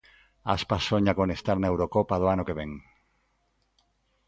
Aspas soña con estar na Eurocopa do ano que vén.